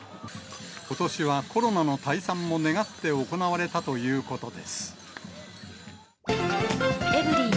ことしはコロナの退散も願って行われたということです。